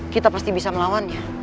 kita pasti bisa melawannya